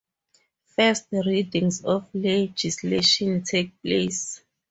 First, readings of legislation take place.